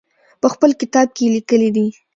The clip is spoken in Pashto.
په خپل کتاب کې یې لیکلي دي.